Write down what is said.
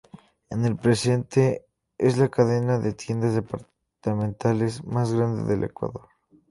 En el presente es la cadena de tiendas departamentales más grande del Ecuador.